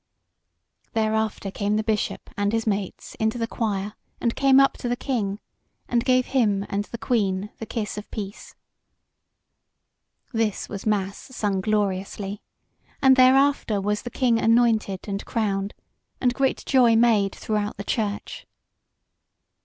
Thereafter came the bishop and his mates into the choir, and came up to the King, and gave him and the Queen the kiss of peace. This was mass sung gloriously; and thereafter was the King anointed and crowned, and great joy was made throughout the church.